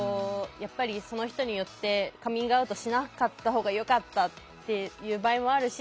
その人によってカミングアウトしなかった方がよかったっていう場合もあるし。